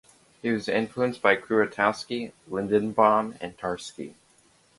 He was influenced by Kuratowski, Lindenbaum and Tarski.